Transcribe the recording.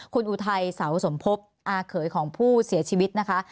คุณอุทัยเสาสมภพอาเขยของผู้เสียชีวิตนะคะ